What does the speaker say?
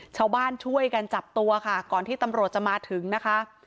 ชาวบ้านช่วยกันจับตัวค่ะก่อนที่ตำรวจจะมาถึงนะคะ